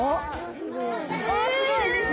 すごい。